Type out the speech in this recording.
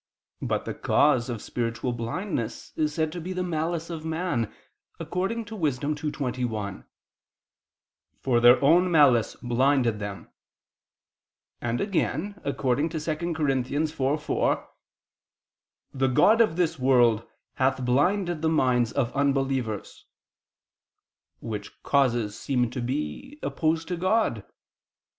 But the cause of spiritual blindness is said to be the malice of man, according to Wis. 2:21: "For their own malice blinded them," and again, according to 2 Cor. 4:4: "The god of this world hath blinded the minds of unbelievers": which causes seem to be opposed to God.